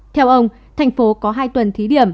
theo ông thành phố có hai tuần thí điểm